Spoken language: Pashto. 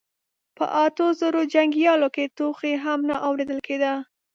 په اتو زرو جنګياليو کې ټوخی هم نه اورېدل کېده.